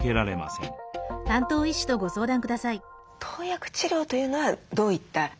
投薬治療というのはどういった？